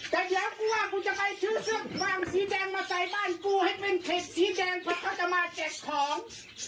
แต่เดี๋ยวกูว่ากูจะไปซื้อเสื้อผ้าสีแดงมาใส่บ้านกูให้เป็นเพจสีแดงเพราะเขาจะมาแจกของ